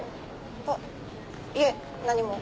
あっいえ何も。